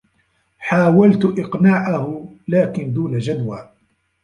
حاولت إقناعه لكن دون جدوى.